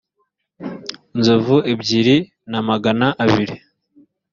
inzovu ebyiri na magana abiri